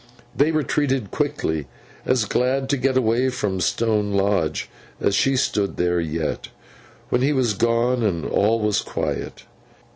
They retreated quickly, as glad to get away from Stone Lodge; and she stood there yet, when he was gone and all was quiet.